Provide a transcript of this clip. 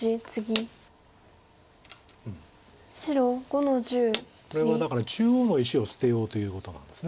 これはだから中央の石を捨てようということなんです。